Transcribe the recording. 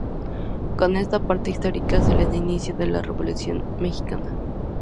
Con esta parte histórica se da el inicio de la Revolución Mexicana.